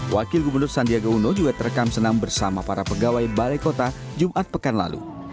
wakil gubernur sandiaga uno juga terekam senam bersama para pegawai balai kota jumat pekan lalu